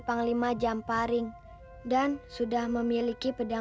para petegang dari kutala